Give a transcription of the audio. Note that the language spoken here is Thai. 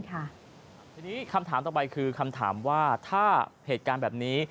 ทีนี้คำถามต่อไปคือคำถามว่าถ้าเหตุการณ์แบบนี้